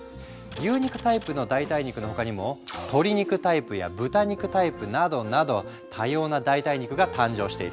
牛肉タイプの代替肉の他にも鶏肉タイプや豚肉タイプなどなど多様な代替肉が誕生している。